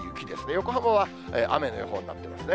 横浜は雨の予報になっていますね。